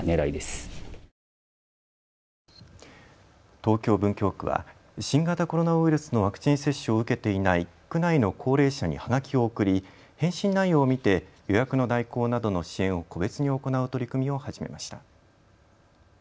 東京文京区は新型コロナウイルスのワクチン接種を受けていない区内の高齢者にはがきを送り返信内容を見て予約の代行などの支援を個別に行う取り組みを始めました。